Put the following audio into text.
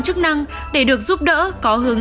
chức năng để được giúp đỡ có hướng